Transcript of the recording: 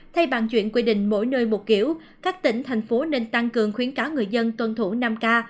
thay bàn chuyện quy định mỗi nơi một kiểu các tỉnh thành phố nên tăng cường khuyến cáo người dân tuân thủ năm k